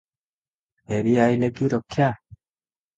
ଫେରି ଅଇଲେ କି ରକ୍ଷା?